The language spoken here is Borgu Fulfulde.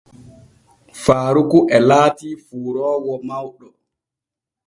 Faaruku e laatii fuuroowo mawɗo.